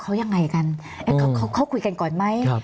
เขายังไงกันเขาคุยกันก่อนไหม